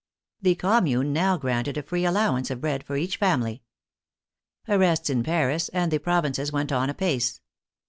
The Commune now granted a free allowance of bread for each family. Arrests in Paris and the pro vinces went on apace.